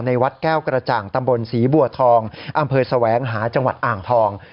วัดแก้วกระจ่างตำบลศรีบัวทองอำเภอแสวงหาจังหวัดอ่างทอง